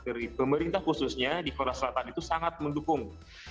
dari pemerintah khususnya di korea selatan itu sangat mendukung